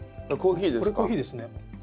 これコーヒーですね。